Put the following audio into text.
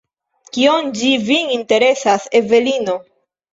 Kion ĝi vin interesas, Evelino?